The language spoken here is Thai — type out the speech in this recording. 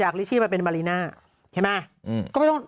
ก็นี่ก็คือว่าตอบมาแบบนี้